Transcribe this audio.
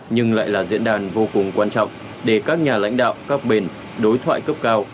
nhưng lại là diễn đàn vô cùng quan trọng để các nhà lãnh đạo các bên đối thoại cấp cao